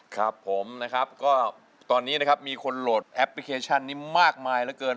ครับผมตอนนี้มีคนโหลดแอปพลิเคชันนี้มากมายเหลือเกิน